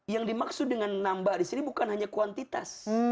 yang dimaksud dengan nambah di sini bukan hanya kuantitas